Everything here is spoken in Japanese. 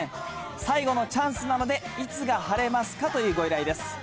最後のチャンスなので、いつが晴れますかというご依頼です。